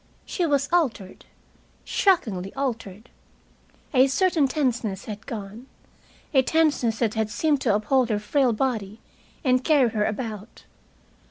She was altered, shockingly altered. A certain tenseness had gone, a tenseness that had seemed to uphold her frail body and carry her about.